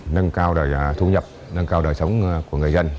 nâng cao đời thu nhập nâng cao đời sống của người dân